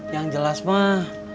yang jelas mah